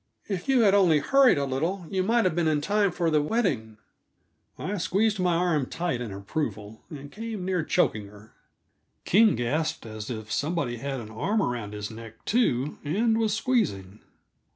"If you had only hurried a little, you might have been in time for the we wedding." I squeezed my arm tight in approval, and came near choking her. King gasped as if somebody had an arm around his neck, too, and was squeezing.